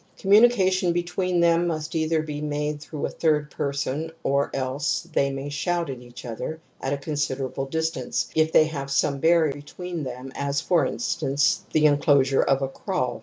Com munication between them must either be made through a third person or else they may shout at each other at a considerable distance if they have some barrier between them as, for in stance, the enclosure of a kraal.